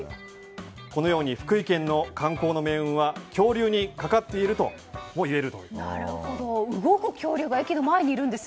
このように福井県の観光の命運は恐竜にかかっているともいえると思います。